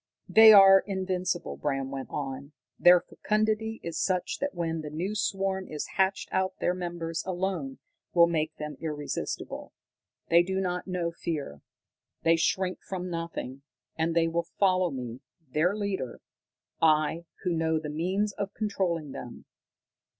"They are invincible," Bram went on. "Their fecundity is such that when the new swarm is hatched out their numbers alone will make them irresistible. They do not know fear. They shrink from nothing. And they will follow me, their leader I, who know the means of controlling them.